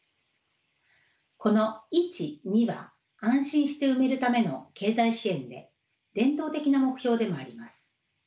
この１２は安心して産めるための経済支援で伝統的な目標でもあります。